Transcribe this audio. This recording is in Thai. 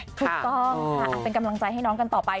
ถูกต้องค่ะเป็นกำลังใจให้น้องกันต่อไป